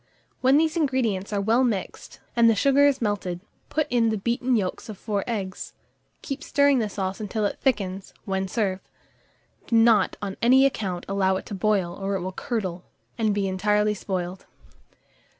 When these ingredients are well mixed, and the sugar is melted, put in the beaten yolks of 4 eggs; keep stirring the sauce until it thickens, when serve. Do not, on any account, allow it to boil, or it will curdle, and be entirely spoiled.